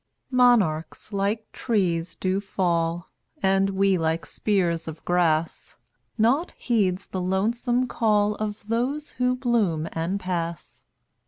162 Monarchs like trees do fall, And we like spears of grass; Nought heeds the lonesome call Of those who bloom and pass.